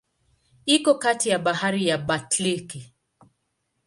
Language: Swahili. Iko kati ya Bahari ya Baltiki.